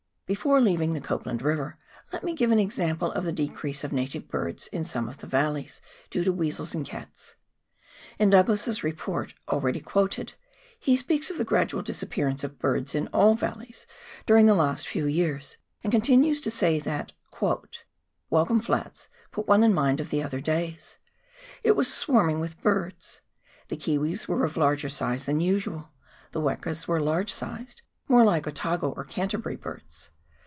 Before leaving the Copland River, let me give an example of the decrease of native birds in some of the valleys, due to weasels and cats. In Douglas's report, already quoted, he speaks of the gradual disappearance of birds in all valleys during the last few years, and continues to say that " Welcome Flats put one in mind of other days. It was swarming with birds. The kiwis were of larger size than usual ... the wekas were large sized, more like Otago or Canterbury birds.